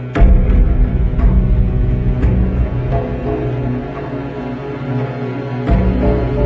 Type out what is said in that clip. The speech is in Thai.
แม่งกลัว